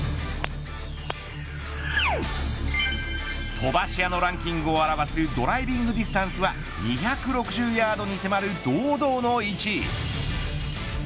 飛ばし屋のランキングを表すドライビングディスタンスは２６０ヤードに迫る堂々の１位。